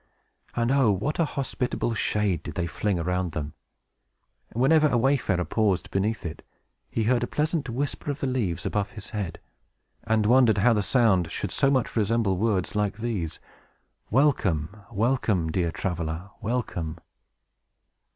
And oh, what a hospitable shade did they fling around them. Whenever a wayfarer paused beneath it, he heard a pleasant whisper of the leaves above his head, and wondered how the sound should so much resemble words like these: "Welcome, welcome, dear traveler, welcome!"